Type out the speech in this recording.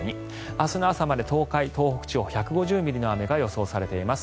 明日の朝まで東海、東北地方で１５０ミリの雨が予想されています。